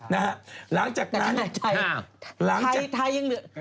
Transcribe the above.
เป็นช่องขาว